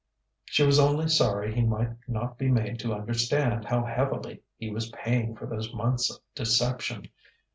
She was only sorry he might not be made to understand how heavily he was paying for those months of deception.